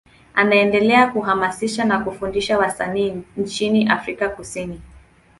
Anaendelea kuhamasisha na kufundisha wasanii nchini Afrika Kusini.